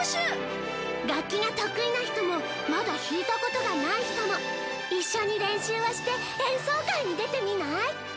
楽器が得意な人もまだ弾いたことがない人も一緒に練習をして演奏会に出てみない？